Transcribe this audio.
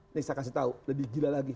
ini saya kasih tahu lebih gila lagi